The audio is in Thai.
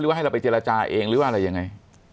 ว่าให้เราไปเจรจาเองหรือว่าอะไรยังไง